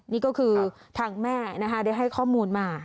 นี่ก็คือทางแม่นะคะได้ให้ข้อมูลมา